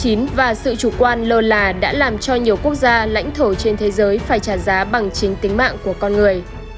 covid một mươi chín và sự chủ quan lô là đã làm cho nhiều quốc gia lãnh thổ trên thế giới phải trả giá bằng chính tính mạng của con người